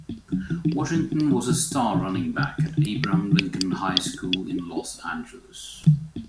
Washington was a star running back at Abraham Lincoln High School in Los Angeles.